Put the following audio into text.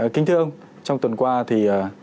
kính thưa ông trong tuần qua thì